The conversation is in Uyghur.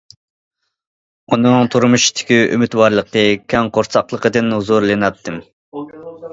ئۇنىڭ تۇرمۇشتىكى ئۈمىدۋارلىقى، كەڭ قورساقلىقىدىن ھۇزۇرلىناتتىم.